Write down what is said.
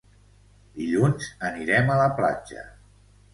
Dilluns anirem a la platja.